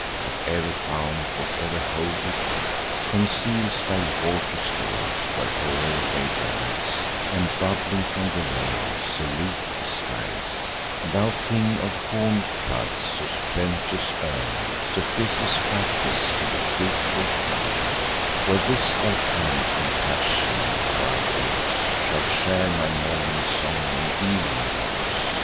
Whatever fount, whatever holy deep, Conceals thy wat'ry stores; where'er they rise, And, bubbling from below, salute the skies; Thou, king of horned floods, whose plenteous urn Suffices fatness to the fruitful corn, For this thy kind compassion of our woes, Shalt share my morning song and ev'ning vows.